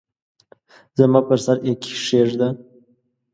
زما پر سر یې کښېږده !